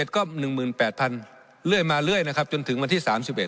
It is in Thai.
ก็๑๘๐๐๐เรื่อยมาเรื่อยนะครับจนถึงวันที่๓๑